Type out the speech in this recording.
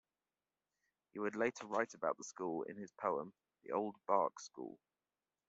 He would later write about the school in his poem, "The Old Bark School".